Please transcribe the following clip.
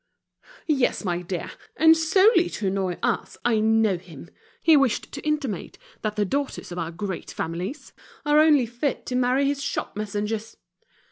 "Yes, my dear, and solely to annoy us. I know him; he wished to intimate that the daughters of our great families are only fit to marry his shop messengers."